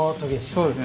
そうですね。